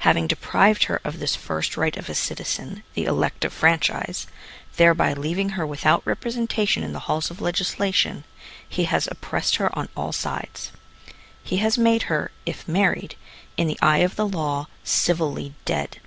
Having deprived her of this first right of a citizen, the elective franchise, thereby leaving her without representation in the halls of legislation, he has oppressed her on all sides. He has made her, if married, in the eye of the law, civilly dead.